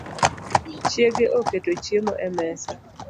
Chiege oketo chiemo e mesa